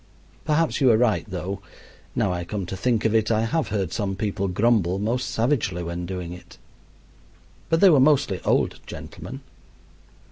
Perhaps you are right, though. Now I come to think of it, I have heard some people grumble most savagely when doing it. But they were mostly old gentlemen.